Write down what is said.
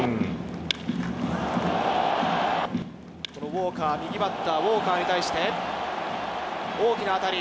ウォーカー、右バッター、ウォーカーに対して、大きな当たり。